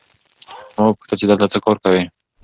ما وپوښتل چې دلته څه کار کوې؟